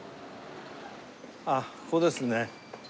あっここですね。